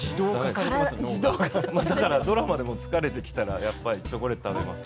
ドラマでも疲れてきたらやっぱりチョコレートを食べます。